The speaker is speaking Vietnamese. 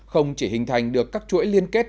không chỉ hình thành được các chuỗi liên kết